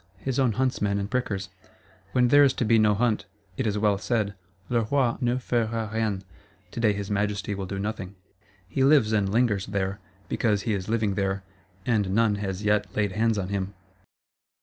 His own huntsmen and prickers: when there is to be no hunt, it is well said, "Le Roi ne fera rien (Today his Majesty will do nothing)." He lives and lingers there, because he is living there, and none has yet laid hands on him.